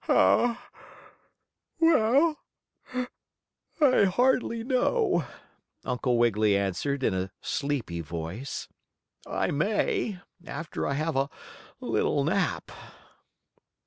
Ho! Well, I hardly know," Uncle Wiggily answered, in a sleepy voice. "I may, after I have a little nap."